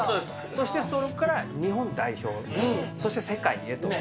そしてそこから日本代表、そして世界へと。